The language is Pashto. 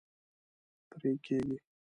پرې کیږي